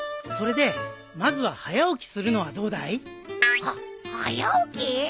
それでまずは早起きするのはどうだい？は早起き？